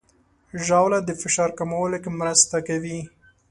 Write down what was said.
ژاوله د فشار کمولو کې مرسته کوي.